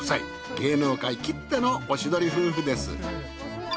芸能界きってのおしどり夫婦です。